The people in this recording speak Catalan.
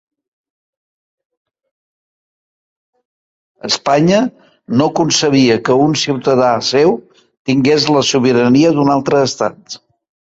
Espanya no concebia que un ciutadà seu tingués la sobirania d'un altre estat.